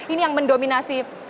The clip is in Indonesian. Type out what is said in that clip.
ini yang mendominasi